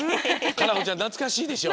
佳菜子ちゃんなつかしいでしょ。